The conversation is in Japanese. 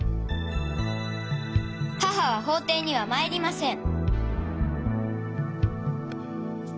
母は法廷には参りません。